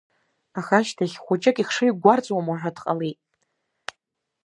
Аха ашьҭахь хәыҷык ихшыҩ гәарҵуама уҳәо дҟалит.